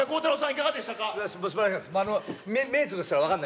いかがでしたか。